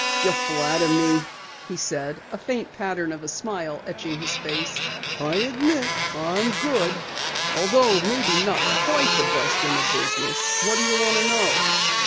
"You flatter me," he said, a faint pattern of a smile etching his face. "I admit I'm good, although maybe not quite the best in the business. What do you want to know?"